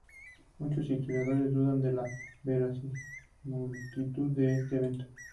Muchos historiadores dudan de la verosimilitud de este evento.